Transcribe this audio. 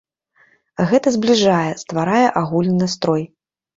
Гэта збліжае, стварае агульны настрой.